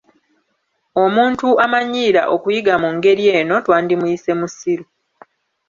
Omuntu amanyiira okuyiga mu ngeri eno twandimuyise mussiru.